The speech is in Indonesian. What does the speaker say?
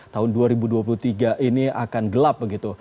tahun dua ribu dua puluh tiga ini akan gelap begitu